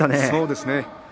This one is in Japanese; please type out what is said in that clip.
そうですね。